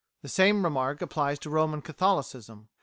(The same remark applies to Roman Catholicism.)